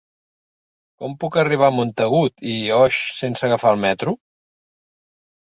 Com puc arribar a Montagut i Oix sense agafar el metro?